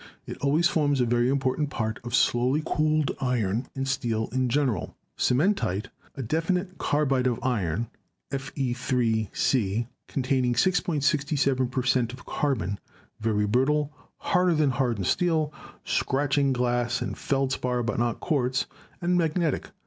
It always forms a very important part of slowly cooled iron and steel in general. Cementite, a definite carbide of iron, Fe 3 C, containing 6.67 per cent, of carbon, very brittle, harder than hardened steel, scratching glass and feldspar but not quartz, and magnetic.